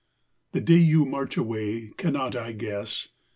The day you march away cannot I guess?